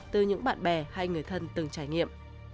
từ những bạn bè hay người thân từng trải nghiệm